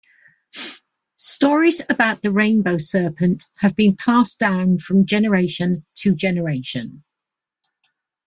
Stories about the Rainbow Serpent have been passed down from generation to generation.